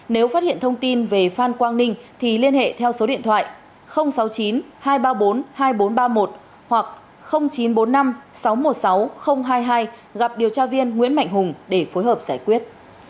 nếu phát hiện thông tin về phan quang ninh thì liên hệ theo số điện thoại sáu mươi chín hai trăm ba mươi bốn hai nghìn bốn trăm ba mươi một hoặc chín trăm bốn mươi năm sáu trăm một mươi sáu hai mươi hai gặp điều tra viên nguyễn mạnh hùng để phối hợp giải quyết